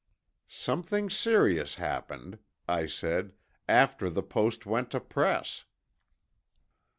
"Something serious happened," I said, "after the Post went to press."